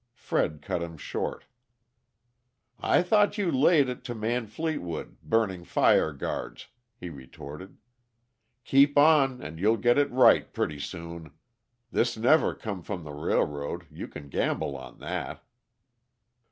Fred cut him short. "I thought you laid it to Man Fleetwood, burning fire guards," he retorted. "Keep on, and you'll get it right pretty soon. This never come from the railroad; you can gamble on that."